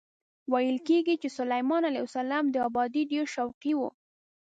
ویل کېږي چې سلیمان علیه السلام د ابادۍ ډېر شوقي و.